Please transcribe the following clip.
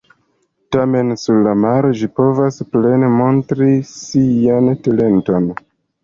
Tamen sur la maro ĝi povas plene montri sian talenton.